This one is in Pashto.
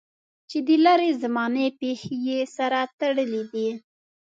چې د لرې زمانې پېښې یې سره تړلې دي.